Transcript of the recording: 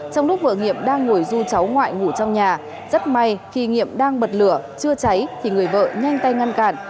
trong lúc vợ nghiệm đang ngồi du cháu ngoại ngủ trong nhà rất may khi nghiệm đang bật lửa chưa cháy thì người vợ nhanh tay ngăn cản